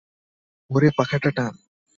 ওরে পাখাটা টান।